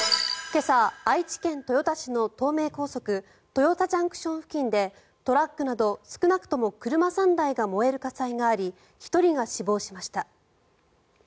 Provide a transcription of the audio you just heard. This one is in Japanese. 今朝、愛知県豊田市の東名高速豊田ＪＣＴ付近でトラックなど少なくとも車３台が燃える火災があり１人が死亡しました。